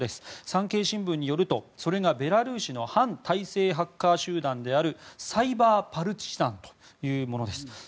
産経新聞によるとそれがベラルーシの反体制ハッカー集団であるサイバー・パルチザンというものです。